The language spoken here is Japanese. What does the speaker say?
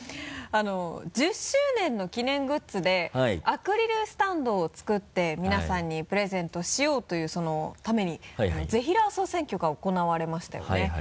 １０周年の記念グッズでアクリルスタンドを作って皆さんにプレゼントしようというためにぜひらー総選挙が行われましたよね。